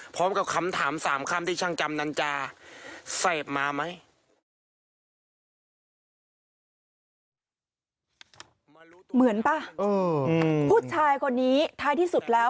ผู้ชายคนนี้ท้ายที่สุดแล้ว